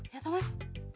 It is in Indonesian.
ya toh mas